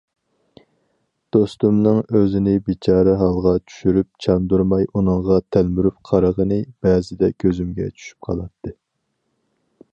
دوستۇمنىڭ ئۆزىنى بىچارە ھالغا چۈشۈرۈپ چاندۇرماي ئۇنىڭغا تەلمۈرۈپ قارىغىنى بەزىدە كۆزۈمگە چۈشۈپ قالاتتى.